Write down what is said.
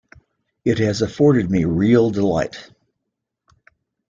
It has afforded me real delight.